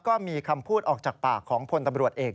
ก็มีคำพูดออกจากปากของพลตำรวจเอก